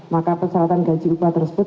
maka persyaratan gaji upah tersebut